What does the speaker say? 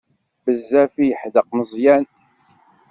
Bezzaf i yeḥdeq Meẓyan.